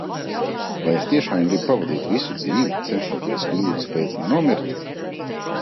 Vai es tiešām gribu pavadīt visu dzīvi, cenšoties kļūdas pēc nenomirt?